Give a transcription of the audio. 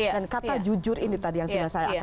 dan kata jujur ini tadi yang sudah saya akar